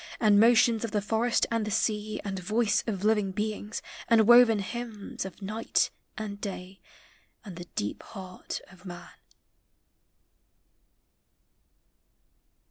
And motions of the forests ami the sea And voice of living beings, and woven hymns Of night and day, and the deep heart of man.